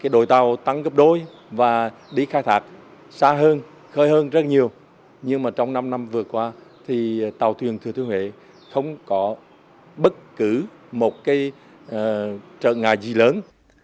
đội tàu tăng gấp đôi và đi khai thác xa hơn khơi hơn rất nhiều nhưng mà trong năm năm vừa qua thì tàu thuyền thừa thứ nghệ không có bất cứ một cái trợ ngại gì lớn